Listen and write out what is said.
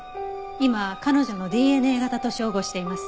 今彼女のＤＮＡ型と照合しています。